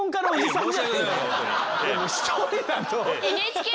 １人だと。